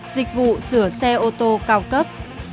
dịch vụ rửa xe ô tô cao cấp